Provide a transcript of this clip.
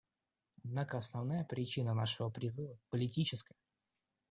Однако основная причина нашего призыва — политическая.